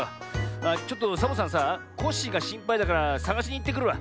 あっちょっとサボさんさコッシーがしんぱいだからさがしにいってくるわ。